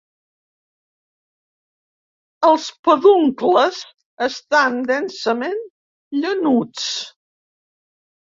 Els peduncles estan densament llanuts.